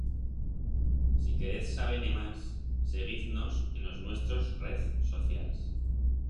Si querez saber-ne mas, seguiz-nos en os nuestros rez socials.